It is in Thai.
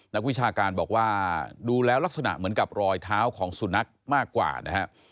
นักวิชาการบอกว่าดูแล้วลักษณะเหมือนกับรอยเท้าของสุนัขมากกว่านะฮะ